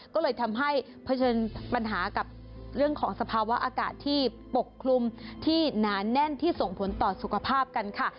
ก็เลยทำให้เผชิญปัญหากับเรื่องของสภาวะอากาศที่ปกคลุมที่หนาแน่นที่ส่งผลต่อสุขภาพกันค่ะ